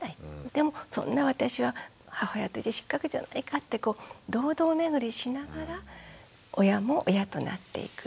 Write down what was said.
でもそんな私は母親として失格じゃないかってこう堂々巡りしながら親も親となっていく。